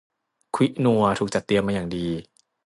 ควินัวถูกจัดเตรียมมาอย่างดี